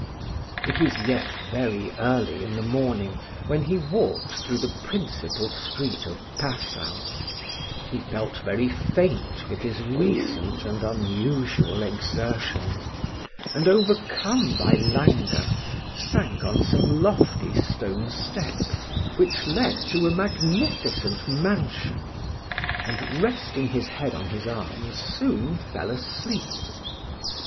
It was yet very early in the morning, when he walked through the principal street of Passau. He felt very faint with his recent and unusual exertions; and, overcome by languor, sank on some lofty stone steps, which led to a magnificent mansion, and resting his head on his arm, soon fell asleep.